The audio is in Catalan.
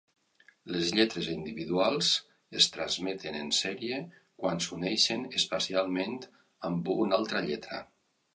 Les lletres individuals es trameten en sèrie quan s'uneixen espacialment amb una altra lletra.